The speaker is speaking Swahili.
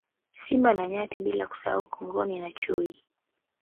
Simba na Nyati bila kusahau Kongoni na Chui